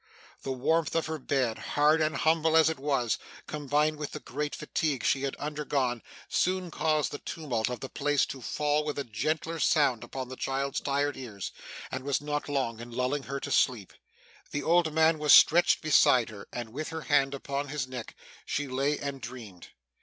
The warmth of her bed, hard and humble as it was, combined with the great fatigue she had undergone, soon caused the tumult of the place to fall with a gentler sound upon the child's tired ears, and was not long in lulling her to sleep. The old man was stretched beside her, and with her hand upon his neck she lay and dreamed.